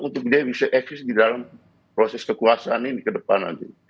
untuk dia bisa etis di dalam proses kekuasaan ini ke depan nanti